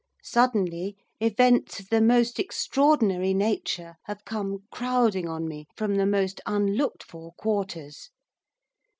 Suddenly events of the most extraordinary nature have come crowding on me from the most unlooked for quarters.